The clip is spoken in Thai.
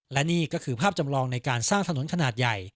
และนี่ก็คือภาพจำลองในการสร้างถนนขนาดใหญ่